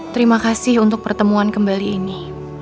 terima kasih untuk pertemuan kembali ini